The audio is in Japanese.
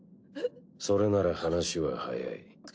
それなら話は早い。